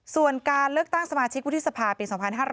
ส่วนการเลือกตั้งสมาชิกวุฒิสภาปี๒๕๕๙